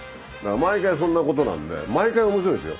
毎回そんなことなんで毎回面白いんですよ。